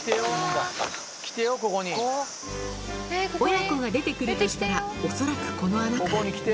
親子が出てくるとしたら、恐らくこの穴から。